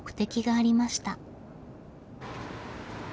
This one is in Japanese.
ありました。